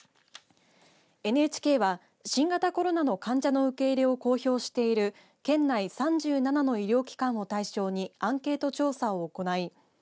ＮＨＫは新型コロナの患者の受け入れを公表している県内３７の医療機関を対象にアンケート調査を行い